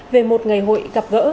về một ngày hội gặp gỡ